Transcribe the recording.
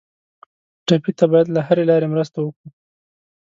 ټپي ته باید له هرې لارې مرسته وکړو.